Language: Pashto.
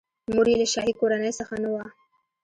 مور یې له شاهي کورنۍ څخه نه وه.